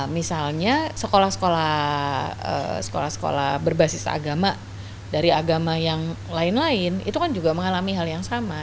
misalnya sekolah sekolah berbasis agama dari agama yang lain lain itu kan juga mengalami hal yang sama